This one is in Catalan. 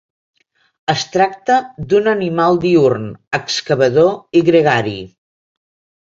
Es tracta d'un animal diürn, excavador i gregari.